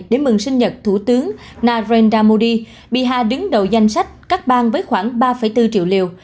cho thủ tướng narendra modi bihar đứng đầu danh sách các bang với khoảng ba bốn triệu liều